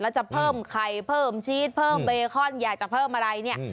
แล้วจะเพิ่มไข่เพิ่มชีสเพิ่มเบคอนอยากจะเพิ่มอะไรเนี่ย